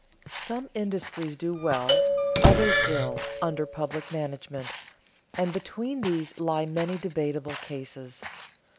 Some industries do well, others ill, under public management, and between these lie many debatable cases.